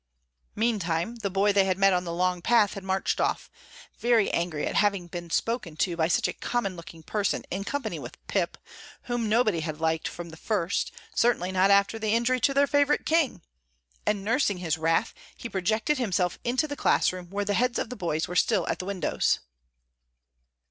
Meantime the boy they had met on the long path had marched off, very angry at having been spoken to by such a common looking person in company with Pip, whom nobody had liked from the first, certainly not after the injury to their favorite, King. And nursing his wrath he projected himself into the class room where the heads of the boys were still at the windows.